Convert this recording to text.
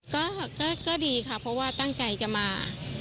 ก็ดีค่ะเพราะว่าตั้งใจจะมา